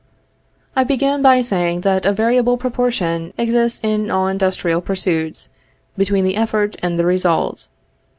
I began by saying that a variable proportion exists in all industrial pursuits, between the effort and the result.